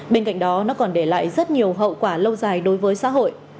bên cạnh đó nó còn để lại rất nhiều hậu quả lâu dài đối với xã hội